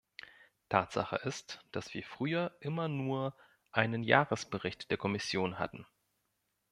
Tatsache ist, dass wir früher immer nur einen Jahresbericht der Kommission hatten.